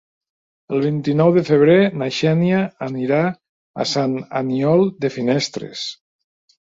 El vint-i-nou de febrer na Xènia anirà a Sant Aniol de Finestres.